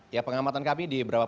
ya pengamatan kami di beberapa